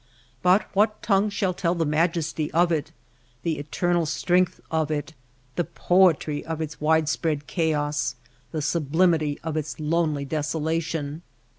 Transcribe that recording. But what tongue shall tell the majesty of it, the eternal strength of it, the poetry of its wide spread chaos, the sub limity of its lonely desolation